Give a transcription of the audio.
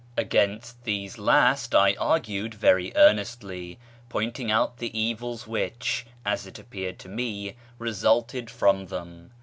Against these last I argued very earnestly, pointing out the evils which, as it appeared to me, resulted from them.